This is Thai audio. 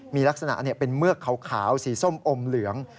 มีลักษณะเป็นเมือกขาวสีส้มอมเหลือง